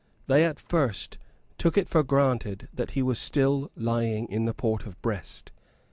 They at first took it for granted that he was still lying in the port of Brest.